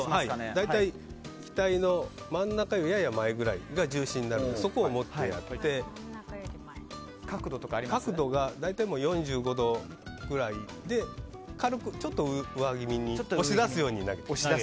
大体機体の真ん中よりやや前くらいが重心になるのでそこを持ってやって角度が大体４５度くらいで軽くちょっと上ぎみに押し出すように投げる。